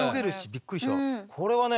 これはね